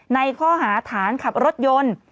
ในข้อหาฐานขับรถยนต์